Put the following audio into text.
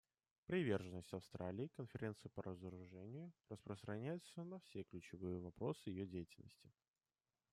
Приверженность Австралии Конференции по разоружению распространяется на все ключевые вопросы ее деятельности.